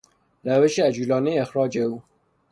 روش عجولانهی اخراج او